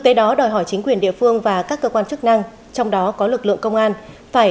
tế đó đòi hỏi chính quyền địa phương và các cơ quan chức năng trong đó có lực lượng công an phải